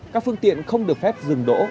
các phương tiện không được phép dừng đỗ